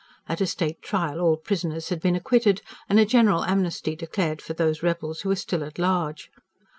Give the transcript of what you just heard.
At a state trial all prisoners had been acquitted, and a general amnesty declared for those rebels who were still at large.